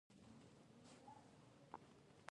د چین په سویل کې ډېرې فابریکې شته.